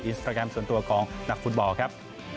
สตราแกรมส่วนตัวของนักฟุตบอลครับ